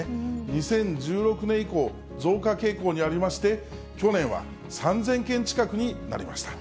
２０１６年以降、増加傾向にありまして、去年は３０００件近くになりました。